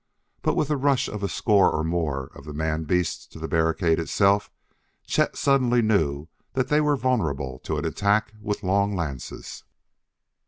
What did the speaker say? But with the rush of a score or more of the man beasts to the barricade itself, Chet suddenly knew that they were vulnerable to an attack with long lances.